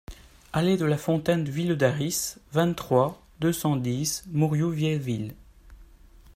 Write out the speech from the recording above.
Allée de la Fontaine de Villedaris, vingt-trois, deux cent dix Mourioux-Vieilleville